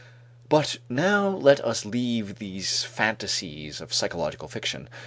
But now let us leave these fantasies of psychological fiction.